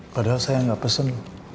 padahal saya gak pesen